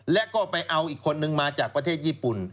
และก็ไปเอาอีกคนนึงมาจากประเทศญี่ปุ่น